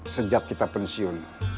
sejak kita pensiun